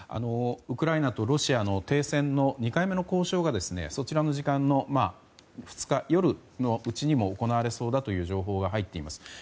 ウクライナとロシアの停戦の２回目の交渉がそちらの時間の２日夜のうちにも行われそうだという情報が入っています。